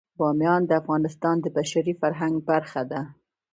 بامیان د افغانستان د بشري فرهنګ برخه ده.